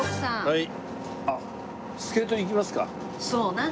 はい。